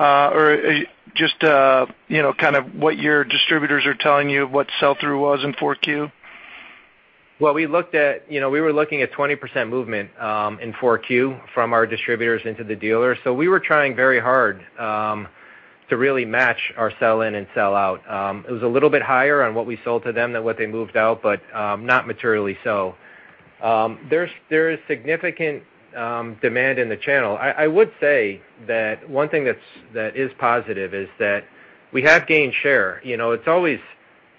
or just kind of what your distributors are telling you what sell-through was in 4Q? Well, we were looking at 20% movement in 4Q from our distributors into the dealers. We were trying very hard to really match our sell-in and sell out. It was a little bit higher on what we sold to them than what they moved out, but not materially so. There is significant demand in the channel. I would say that one thing that is positive is that we have gained share. It's always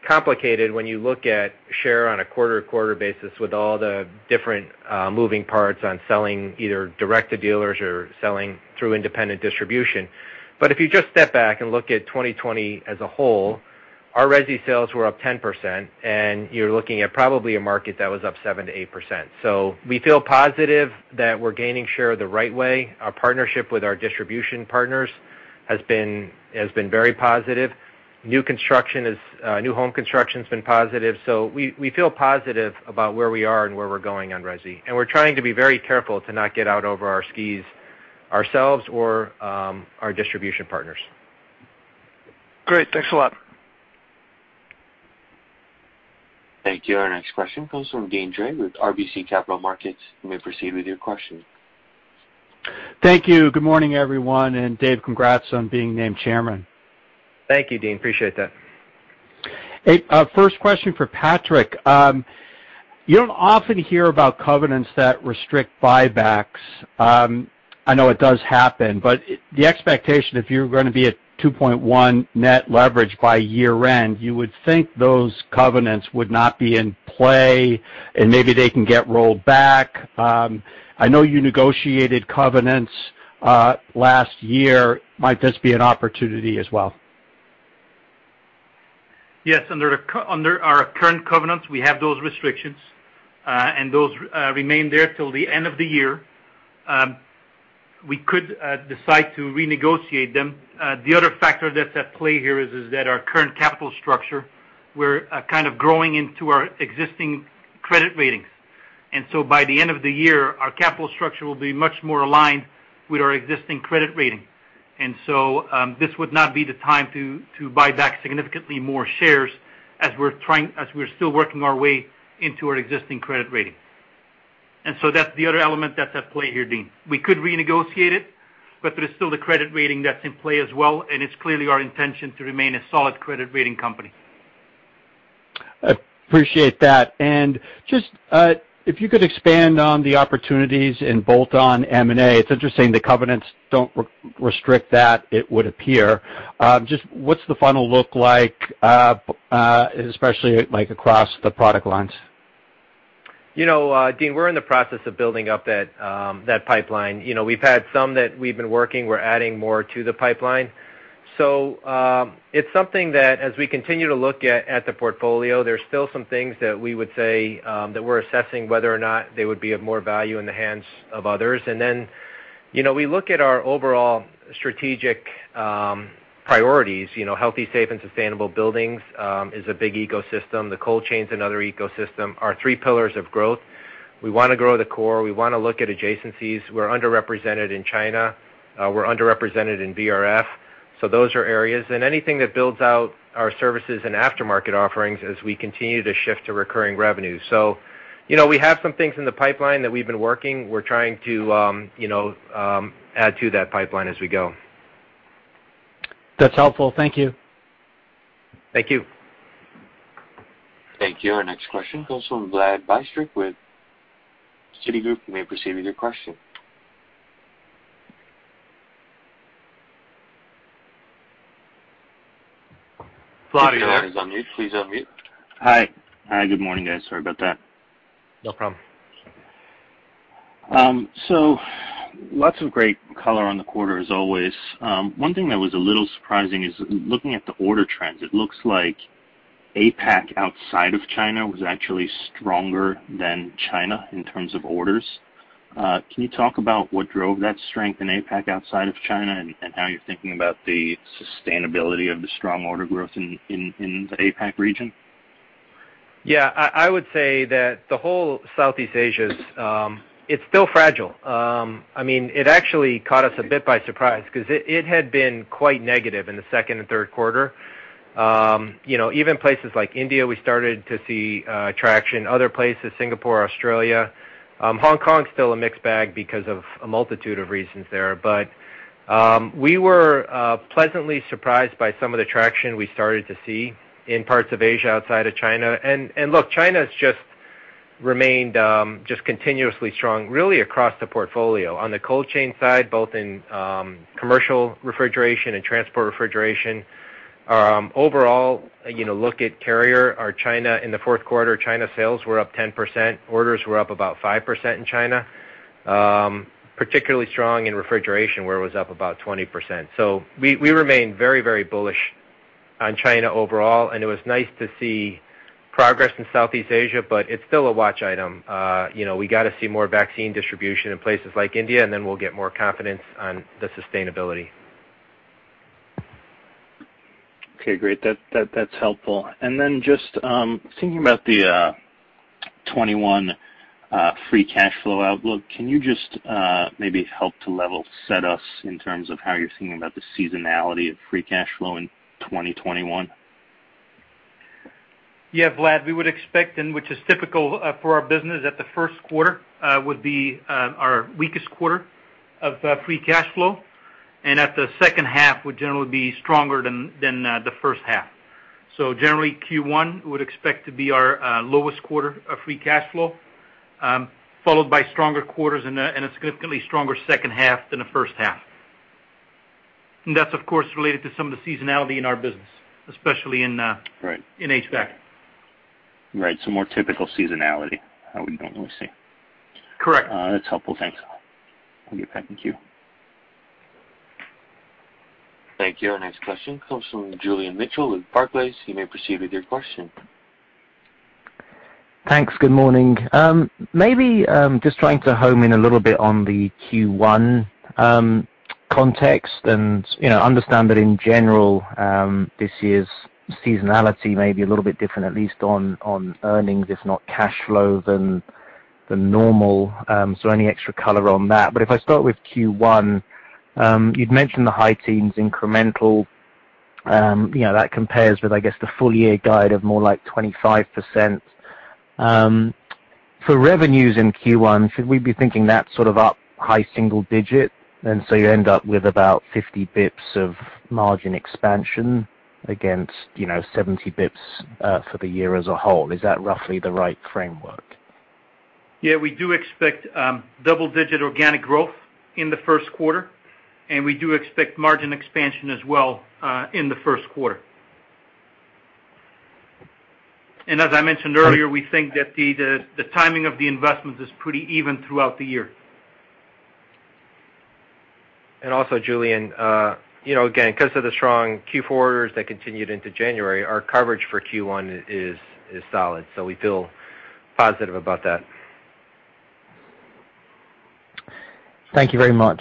complicated when you look at share on a quarter-to-quarter basis with all the different moving parts on selling, either direct to dealers or selling through independent distribution. If you just step back and look at 2020 as a whole, our resi sales were up 10%, and you're looking at probably a market that was up 7%-8%. We feel positive that we're gaining share the right way. Our partnership with our distribution partners has been very positive. New home construction's been positive. We feel positive about where we are and where we're going on resi, and we're trying to be very careful to not get out over our skis ourselves or our distribution partners. Great. Thanks a lot. Thank you. Our next question comes from Deane Dray with RBC Capital Markets. You may proceed with your question. Thank you. Good morning, everyone, and Dave, congrats on being named Chairman. Thank you, Deane. Appreciate that. Hey, first question for Patrick. You don't often hear about covenants that restrict buybacks. I know it does happen, but the expectation, if you're going to be at 2.1 net leverage by year-end, you would think those covenants would not be in play and maybe they can get rolled back. I know you negotiated covenants last year. Might this be an opportunity as well? Yes, under our current covenants, we have those restrictions, and those remain there till the end of the year. We could decide to renegotiate them. The other factor that's at play here is that our current capital structure, we're kind of growing into our existing credit ratings. By the end of the year, our capital structure will be much more aligned with our existing credit rating. This would not be the time to buy back significantly more shares as we're still working our way into our existing credit rating. That's the other element that's at play here, Deane. We could renegotiate it, but there's still the credit rating that's in play as well, and it's clearly our intention to remain a solid credit rating company. I appreciate that. Just if you could expand on the opportunities in bolt-on M&A. It's interesting the covenants don't restrict that, it would appear. Just what's the funnel look like, especially like across the product lines? Deane, we're in the process of building up that pipeline. We've had some that we've been working. We're adding more to the pipeline. It's something that as we continue to look at the portfolio, there's still some things that we would say that we're assessing whether or not they would be of more value in the hands of others. We look at our overall strategic priorities. Healthy, safe, and sustainable buildings is a big ecosystem. The cold chain is another ecosystem, our three pillars of growth. We want to grow the core. We want to look at adjacencies. We're underrepresented in China. We're underrepresented in VRF. Those are areas, anything that builds out our services and aftermarket offerings as we continue to shift to recurring revenue. We have some things in the pipeline that we've been working. We're trying to add to that pipeline as we go. That's helpful. Thank you. Thank you. Thank you. Our next question comes from Vlad Bystricky with Citigroup. You may proceed with your question. Vlad, are you there? Vlad, your line is on mute. Please unmute. Hi. Good morning, guys. Sorry about that. No problem. Lots of great color on the quarter as always. One thing that was a little surprising is looking at the order trends, it looks like APAC outside of China was actually stronger than China in terms of orders. Can you talk about what drove that strength in APAC outside of China and how you're thinking about the sustainability of the strong order growth in the APAC region? Yeah, I would say that the whole Southeast Asia, it's still fragile. It actually caught us a bit by surprise because it had been quite negative in the second and third quarter. Even places like India, we started to see traction. Other places, Singapore, Australia. Hong Kong is still a mixed bag because of a multitude of reasons there. We were pleasantly surprised by some of the traction we started to see in parts of Asia outside of China. Look, China has just remained just continuously strong, really across the portfolio. On the cold chain side, both in commercial refrigeration and transport refrigeration. Overall, look at Carrier, in the fourth quarter, China sales were up 10%, orders were up about 5% in China. Particularly strong in refrigeration, where it was up about 20%. We remain very bullish on China overall, and it was nice to see progress in Southeast Asia, but it's still a watch item. We got to see more vaccine distribution in places like India, and then we'll get more confidence on the sustainability. Okay, great. That's helpful. Just thinking about the 2021 free cash flow outlook, can you just maybe help to level set us in terms of how you're thinking about the seasonality of free cash flow in 2021? Yeah, Vlad, we would expect, and which is typical for our business, that the first quarter would be our weakest quarter of free cash flow, and that the second half would generally be stronger than the first half. Generally, Q1 we would expect to be our lowest quarter of free cash flow, followed by stronger quarters and a significantly stronger second half than the first half. That's, of course, related to some of the seasonality in our business, especially- Right -in HVAC. Right. More typical seasonality, how we normally see. Correct. That's helpful. Thanks. I'll give it back to you. Thank you. Our next question comes from Julian Mitchell with Barclays. Thanks. Good morning. Maybe just trying to home in a little bit on the Q1 context and understand that in general, this year's seasonality may be a little bit different, at least on earnings, if not cash flow than normal. Any extra color on that. If I start with Q1, you'd mentioned the high teens incremental, that compares with, I guess, the full year guide of more like 25%. For revenues in Q1, should we be thinking that sort of up high single digit? You end up with about 50 basis points of margin expansion against 70 basis points for the year as a whole. Is that roughly the right framework? We do expect double-digit organic growth in the first quarter, and we do expect margin expansion as well in the first quarter. As I mentioned earlier, we think that the timing of the investments is pretty even throughout the year. Also, Julian, again, because of the strong Q4 that continued into January, our coverage for Q1 is solid. We feel positive about that. Thank you very much.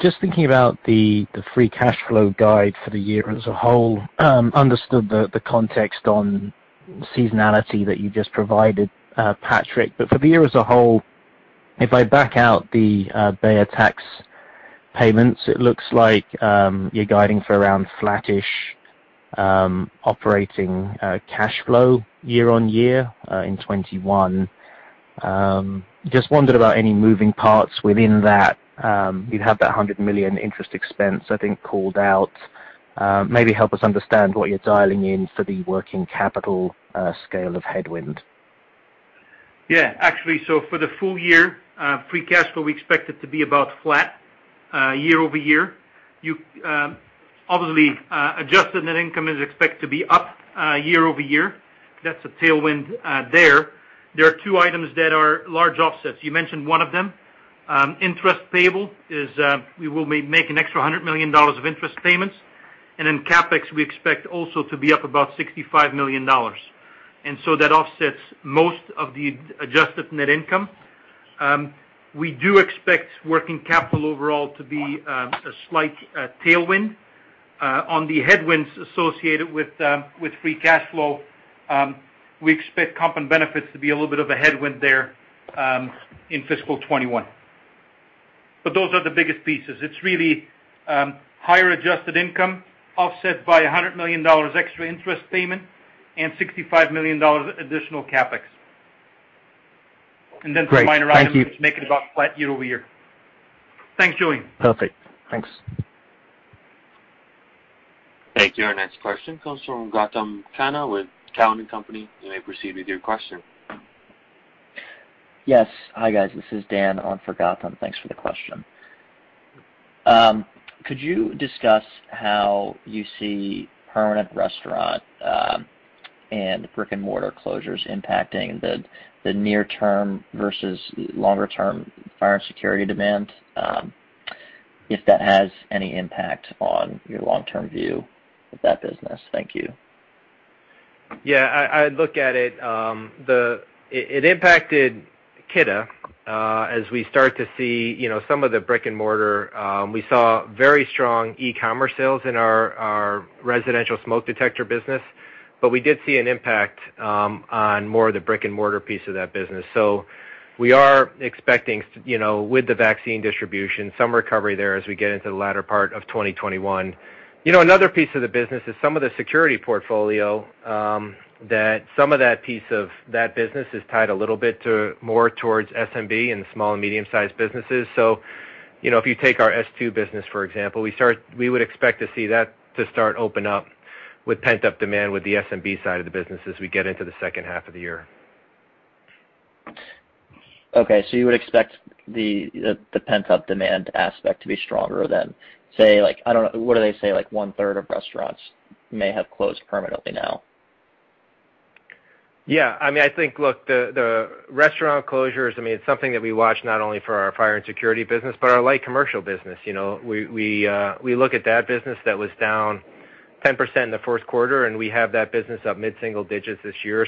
Just thinking about the free cash flow guide for the year as a whole. Understood the context on seasonality that you just provided, Patrick. For the year as a whole, if I back out the Beijer tax payments, it looks like you're guiding for around flattish operating cash flow year-over-year in 2021. Just wondered about any moving parts within that. You'd have that $100 million interest expense, I think, called out. Maybe help us understand what you're dialing in for the working capital scale of headwind. Yeah. Actually, for the full year free cash flow, we expect it to be about flat year-over-year. Obviously, adjusted net income is expected to be up year-over-year. That's a tailwind there. There are two items that are large offsets. You mentioned one of them. Interest payable is we will be making an extra $100 million of interest payments. In CapEx, we expect also to be up about $65 million. That offsets most of the adjusted net income. We do expect working capital overall to be a slight tailwind. On the headwinds associated with free cash flow, we expect comp and benefits to be a little bit of a headwind there in fiscal 2021. Those are the biggest pieces. It's really higher adjusted income offset by $100 million extra interest payment and $65 million additional CapEx. Great. Thank you. Then some minor items which make it about flat year-over-year. Thanks, Julian. Perfect. Thanks. Thank you. Our next question comes from Gautam Khanna with Cowen and Company. You may proceed with your question. Yes. Hi, guys. This is Dan on for Gautam. Thanks for the question. Could you discuss how you see permanent restaurant and brick and mortar closures impacting the near term versus longer term Fire & Security demand, if that has any impact on your long-term view of that business? Thank you. Yeah, I look at it. It impacted Kidde. As we start to see some of the brick and mortar, we saw very strong e-commerce sales in our residential smoke detector business. We did see an impact on more of the brick and mortar piece of that business. We are expecting, with the vaccine distribution, some recovery there as we get into the latter part of 2021. Another piece of the business is some of the security portfolio, that some of that piece of that business is tied a little bit to more towards SMB and small and medium sized businesses. If you take our S2 business, for example, we would expect to see that to start open up with pent-up demand with the SMB side of the business as we get into the second half of the year. Okay. You would expect the pent-up demand aspect to be stronger than, say, I don't know, what do they say? One-third of restaurants may have closed permanently now. Yeah. I think, look, the restaurant closures, it's something that we watch not only for our fire and security business, but our light commercial business. We look at that business that was down 10% in the first quarter. We have that business up mid-single digits this year.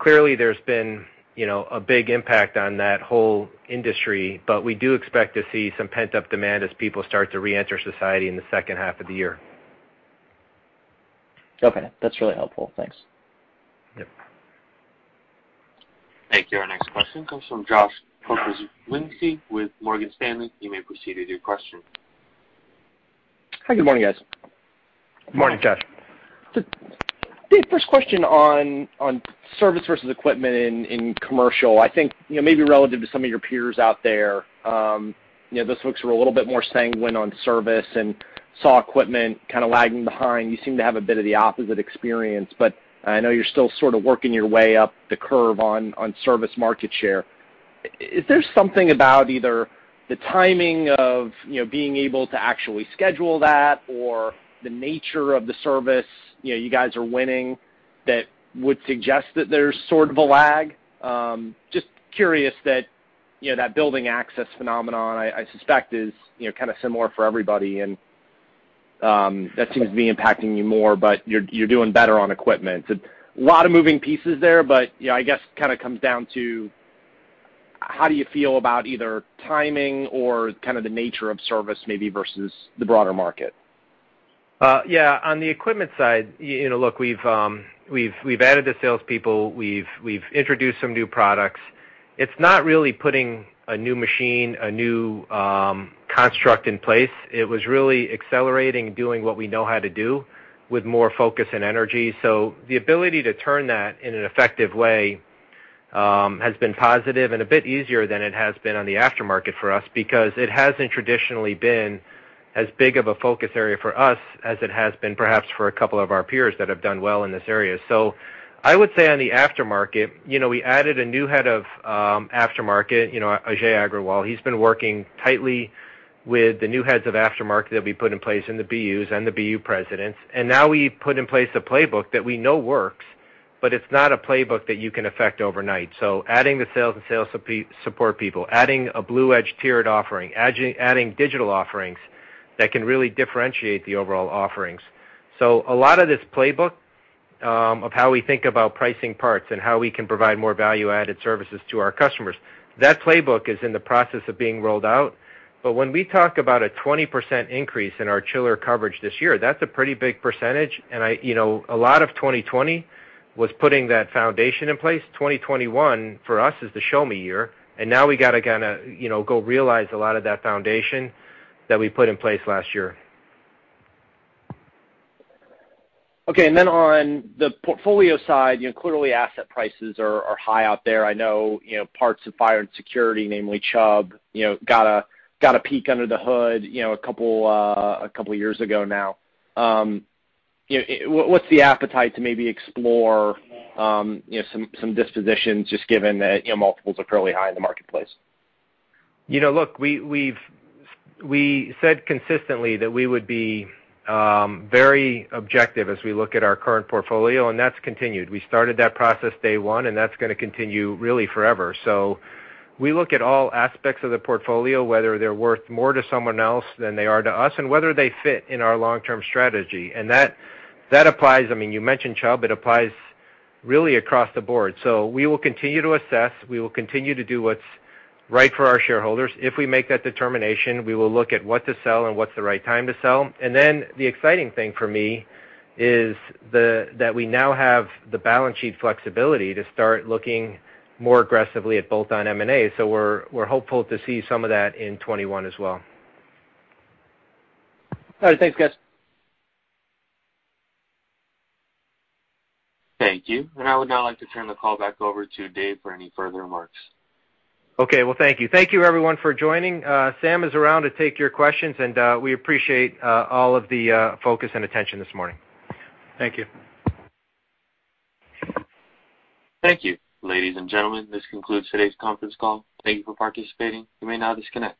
Clearly there's been a big impact on that whole industry. We do expect to see some pent-up demand as people start to reenter society in the second half of the year. Okay. That's really helpful. Thanks. Yeah. Thank you. Our next question comes from Josh Pokrzywinski with Morgan Stanley. You may proceed with your question. Hi. Good morning, guys. Morning, Josh. Dave, first question on service versus equipment in commercial. I think, maybe relative to some of your peers out there, those folks were a little bit more sanguine on service and saw equipment kind of lagging behind. You seem to have a bit of the opposite experience, but I know you're still sort of working your way up the curve on service market share. Is there something about either the timing of being able to actually schedule that or the nature of the service you guys are winning that would suggest that there's sort of a lag? Just curious that building access phenomenon, I suspect, is kind of similar for everybody, and that seems to be impacting you more, but you're doing better on equipment. A lot of moving pieces there, but I guess it kind of comes down to how do you feel about either timing or kind of the nature of service maybe versus the broader market? Yeah. On the equipment side, look, we've added the salespeople. We've introduced some new products. It's not really putting a new machine, a new construct in place. It was really accelerating doing what we know how to do with more focus and energy. The ability to turn that in an effective way has been positive and a bit easier than it has been on the aftermarket for us, because it hasn't traditionally been as big of a focus area for us as it has been perhaps for a couple of our peers that have done well in this area. I would say on the aftermarket, we added a new head of aftermarket, Ajay Agrawal. He's been working tightly with the new heads of aftermarket that we put in place in the BUs and the BU presidents. Now we've put in place a playbook that we know works, but it's not a playbook that you can affect overnight. Adding the sales and sales support people, adding a BluEdge tiered offering, adding digital offerings that can really differentiate the overall offerings. A lot of this playbook of how we think about pricing parts and how we can provide more value-added services to our customers, that playbook is in the process of being rolled out. When we talk about a 20% increase in our chiller coverage this year, that's a pretty big percentage. A lot of 2020 was putting that foundation in place. 2021 for us is the show me year. Now we got to kind of go realize a lot of that foundation that we put in place last year. On the portfolio side, clearly asset prices are high out there. I know parts of fire and security, namely Chubb, got a peek under the hood a couple years ago now. What's the appetite to maybe explore some dispositions just given that multiples are fairly high in the marketplace? Look, we said consistently that we would be very objective as we look at our current portfolio, and that's continued. We started that process day one, and that's going to continue really forever. We look at all aspects of the portfolio, whether they're worth more to someone else than they are to us, and whether they fit in our long-term strategy. That applies, you mentioned Chubb, it applies really across the board. We will continue to assess. We will continue to do what's right for our shareholders. If we make that determination, we will look at what to sell and what's the right time to sell. The exciting thing for me is that we now have the balance sheet flexibility to start looking more aggressively at bolt-on M&A. We're hopeful to see some of that in 2021 as well. All right. Thanks, guys. Thank you. I would now like to turn the call back over to Dave for any further remarks. Okay. Well, thank you. Thank you everyone for joining. Sam is around to take your questions, and we appreciate all of the focus and attention this morning. Thank you. Thank you. Ladies and gentlemen, this concludes today's conference call. Thank you for participating. You may now disconnect.